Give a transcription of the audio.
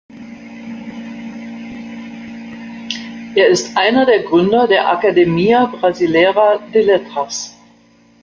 Er ist einer der Gründer der „Academia Brasileira de Letras“.